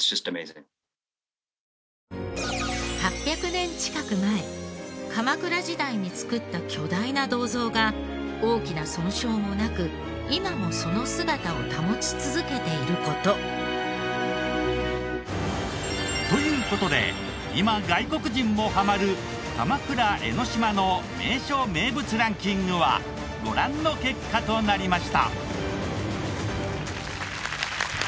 ８００年近く前鎌倉時代に造った巨大な銅像が大きな損傷もなく今もその姿を保ち続けている事。という事で今外国人もハマる鎌倉・江の島の名所・名物ランキングはご覧の結果となりました。